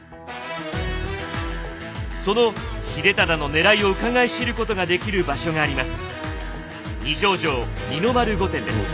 その秀忠のねらいをうかがい知ることができる場所があります。